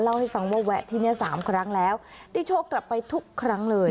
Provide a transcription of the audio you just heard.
เล่าให้ฟังว่าแวะที่เนี่ยสามครั้งแล้วได้โชคกลับไปทุกครั้งเลย